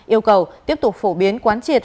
yêu cầu tiếp tục phổ biến quán triệt